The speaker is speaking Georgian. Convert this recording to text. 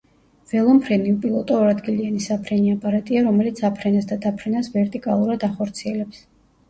ველომფრენი უპილოტო ორადგილიანი საფრენი აპარატია, რომელიც აფრენას და დაფრენას ვერტიკალურად ახორციელებს.